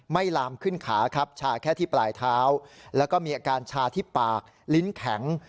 ลามขึ้นขาครับชาแค่ที่ปลายเท้าแล้วก็มีอาการชาที่ปากลิ้นแข็ง